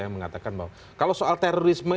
yang mengatakan bahwa kalau soal terorisme